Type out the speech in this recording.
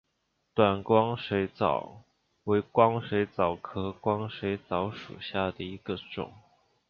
短光水蚤为光水蚤科光水蚤属下的一个种。